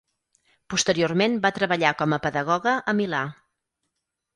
Posteriorment va treballar com a pedagoga a Milà.